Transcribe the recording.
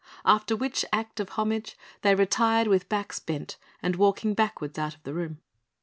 After which act of homage they retired with backs bent and walking backwards out of the room.